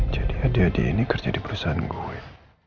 jadi adi adi ini kerja di perusahaan gue